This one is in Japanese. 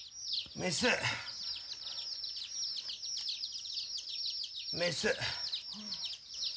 メス‼メス。